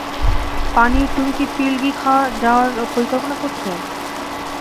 পানির, তুমি কি পিলগ্রি যাওয়ার পরিকল্পনা করেছ?